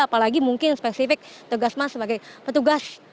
apalagi mungkin spesifik tugas mas sebagai petugas